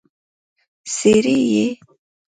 څرې يې؟